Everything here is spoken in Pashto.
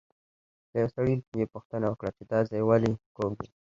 له یوه سړي یې پوښتنه وکړه چې دا ځای ولې کوږ دی.